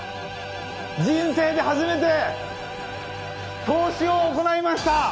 人生で初めて投資を行いました！